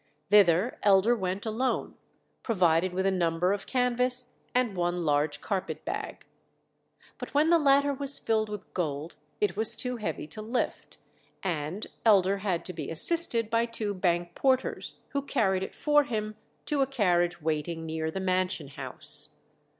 Thither Elder went alone, provided with a number of canvas and one large carpet bag. But when the latter was filled with gold it was too heavy to lift, and Elder had to be assisted by two bank porters, who carried it for him to a carriage waiting near the Mansion House.